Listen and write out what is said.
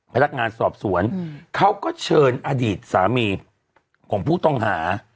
พนักงานสอบสวนเขาก็เชิญอดีตสามีของผู้ต้องหา